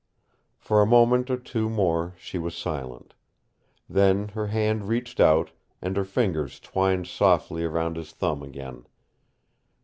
For a moment or two more she was silent. Then her hand reached out, and her fingers twined softly round his thumb again.